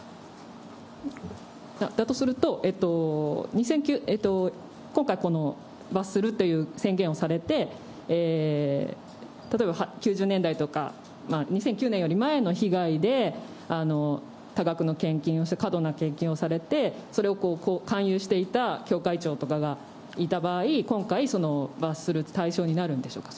だとすると、今回、この罰するという宣言をされて、例えば９０年代とか２００９年より前の被害で、多額の献金をした、過度な献金をされて、それを勧誘していた教会長とかがいた場合、今回、罰する対象になるんでしょうか。